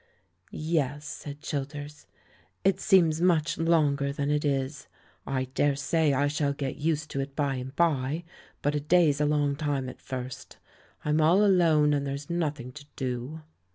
"Yes," said Childers, "it seems much longer than it is. I daresay I shall get used to it by and by, but a day's a long time at first; I'm all alone, and there's nothing to do."